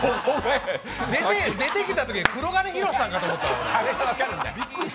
出てきたとき、黒鉄ヒロシさんかと思ったよ。